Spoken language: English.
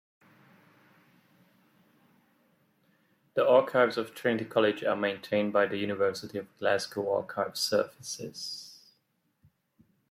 The archives of Trinity College are maintained by the University of Glasgow Archives Services.